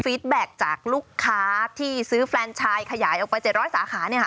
ฟีดแบ็คจากลูกค้าที่ซื้อแฟรนชายขยายออกไป๗๐๐สาขา